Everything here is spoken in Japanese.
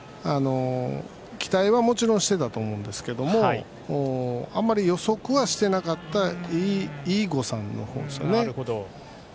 期待はもちろんしてたと思うんですけどあまり予測はしてなかったといういい誤算の方ですよね。